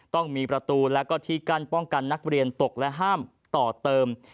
ต้องมีประตูและก็ที่กั้นป้องกันนักเรียนตกและห้ามต่อเติม